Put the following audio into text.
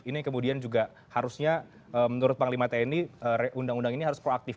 ini kemudian juga harusnya menurut panglima tni undang undang ini harus proaktif